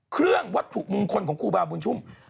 เครื่องวัตถุมงคลของครูบาวบุญชุม